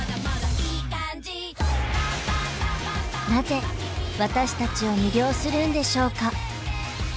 なぜ私たちを魅了するんでしょうか？